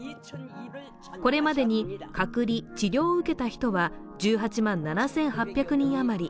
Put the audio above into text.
これまでに隔離・治療を受けた人は１８万７８００人余り。